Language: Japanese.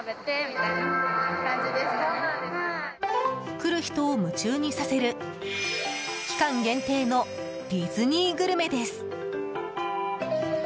来る人を夢中にさせる期間限定のディズニーグルメです。